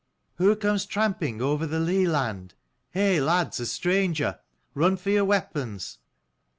"Who comes tra'mping over the lea land? Hey lads, a stranger. Run for your weapons.